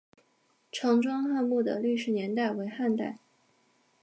常庄汉墓的历史年代为汉代。